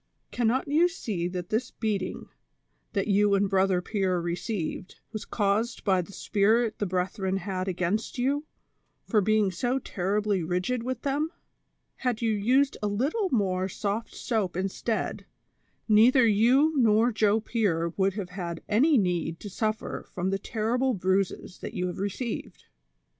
Cannot you see that this beating, that you and Brother Pier received, was caused by the spite the brethren had against you, for being so terribly rigid with them V Had you used a little more soft soap instead, neither you nor Joe Pier would have had any need to suffer from the terrible bruises you have received."